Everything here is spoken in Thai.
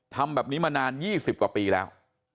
ทำแบบนี้มานาน๒๐กว่าปีแล้ว